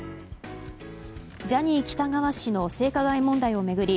ジャニー喜多川氏の性加害問題を巡り